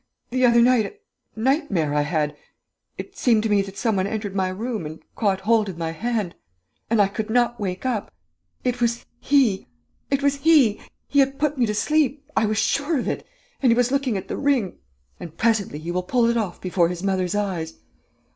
the other night ... a nightmare I had.... It seemed to me that some one entered my room and caught hold of my hand.... And I could not wake up.... It was he! It was he! He had put me to sleep, I was sure of it ... and he was looking at the ring.... And presently he will pull it off before his mother's eyes....